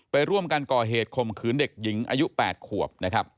ไปร่วมกันก่อเหตุคมขืนเด็กหญิงอายุ๘ขวบ